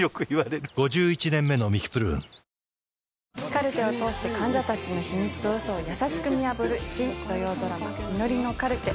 カルテを通して患者たちの秘密とうそを優しく見破る新土曜ドラマ、祈りのカルテ。